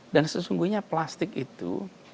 dan sesungguhnya plastik itu